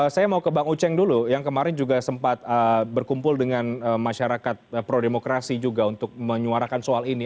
saya mau ke bang uceng dulu yang kemarin juga sempat berkumpul dengan masyarakat pro demokrasi juga untuk menyuarakan soal ini